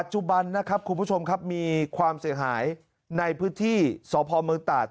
จุบันนะครับคุณผู้ชมครับมีความเสียหายในพื้นที่สพเมืองตาด